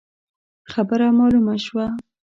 خبره مالومه شوه.